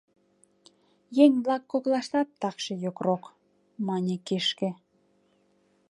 — Еҥ-влак коклаштат такше йокрок, — мане кишке.